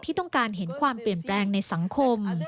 ที่ต้องการเห็นความเปลี่ยนแปลงในสังคม